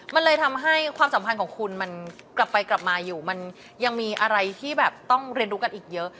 มันเลยทำให้ความสัมพันธ์ของคุณมันกลับไปกลับมาอยู่มันยังมีอะไรที่แบบต้องเรียนรู้กันอีกเยอะ